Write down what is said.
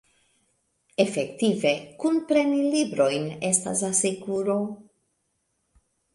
Efektive, kunpreni librojn estas asekuro.